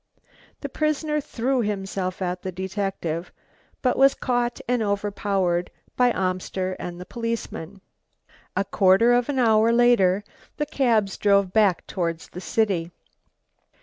The prisoner threw himself at the detective but was caught and overpowered by Amster and the policeman. A quarter of an hour later the cabs drove back toward the city.